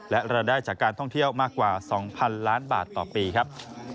และรายได้จากการท่องเที่ยวมากกว่า๒๐๐๐ล้านบาทต่อปีครับ